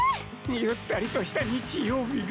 ゆったりとした日曜日が。